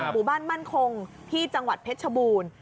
หมู่บ้านมั่นคงที่จังหวัดเพชรชบูรณ์